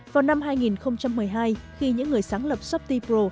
vào năm hai nghìn một mươi hai khi những người sáng lập shopee pro